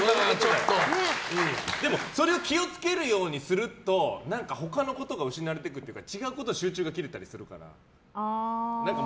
それを気を付けるようにすると何か、他のことが失われていくというか違うことの集中が切れたりするから。